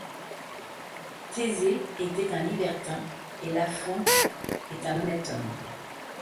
Thésée était un libertin, et Lafont est un honnête homme.